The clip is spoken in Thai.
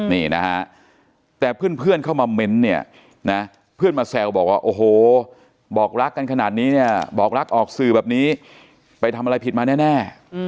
นี่นะฮะแต่เพื่อนเข้ามาเม้นต์เนี่ยนะเพื่อนมาแซวบอกว่าโอ้โหบอกรักกันขนาดนี้เนี่ยบอกรักออกสื่อแบบนี้ไปทำอะไรผิดมาแน่